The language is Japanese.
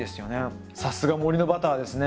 さすが森のバターですね。